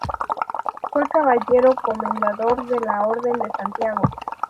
Fue caballero comendador de la orden de Santiago.